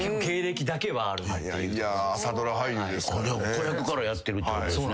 子役からやってるってことですね。